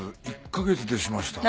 １カ月でしました。